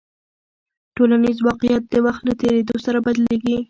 ټولنیز واقیعت د وخت له تېرېدو سره بدلېږي.